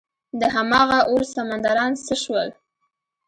دهمغه اور سمندران څه شول؟